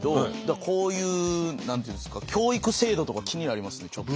こういう何て言うんですか教育制度とか気になりますねちょっと。